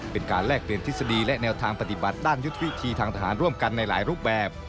แลกเปลี่ยนทฤษฎีและแนวทางปฏิบัติด้านยุทธวิธีทางทหารร่วมกันในหลายรูปแบบ